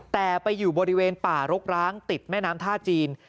แต่ไปอยู่บริเวณป่ารกร้างติดแม่น้ำท่าจีน